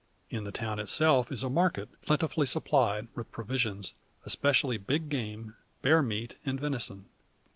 In the town itself is a market, plentifully supplied with provisions, especially big game bear meat, and venison.